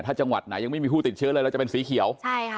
ถ้าจังหวัดไหนยังไม่มีผู้ติดเชื้อเลยเราจะเป็นสีเขียวใช่ค่ะ